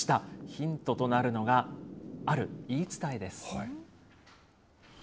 ヒントとなるのがある言い伝えです。